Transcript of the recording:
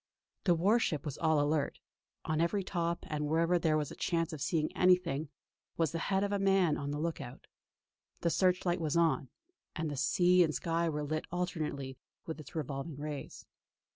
The war ship was all alert; on every top, and wherever there was a chance of seeing anything, was the head of a man on the look out. The search light was on, and sea and sky were lit alternately with its revolving rays.